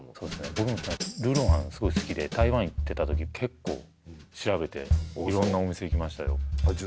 僕もルーロー飯すごい好きで台湾行ってた時結構調べて色んなお店行きましたよじゃ